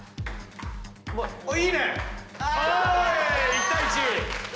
１対１。